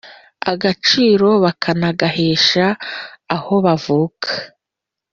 agaciro bakanagahesha aho bavuka.